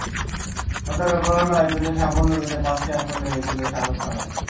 মজার ব্যাপার হলো, আইপিএলে সাফল্য পেতে পাঁচটি আসর লেগেছিল শাহরুখ খানের।